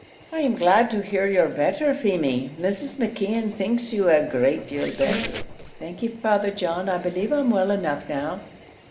"I am glad to hear you're better, Feemy. Mrs. McKeon thinks you a great deal better." "Thank ye, Father John; I believe I'm well enough now."